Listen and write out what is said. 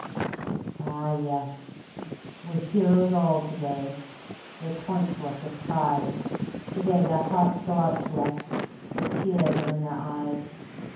Ah yes! we're "heroes all" to day they point to us with pride; To day their hearts go out to us, the tears are in their eyes!